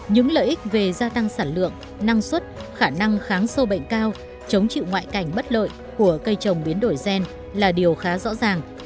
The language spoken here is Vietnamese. những lợi ích về gia tăng sản lượng năng suất khả năng kháng sâu bệnh cao chống chịu ngoại cảnh bất lợi của cây trồng biến đổi gen là điều khá rõ ràng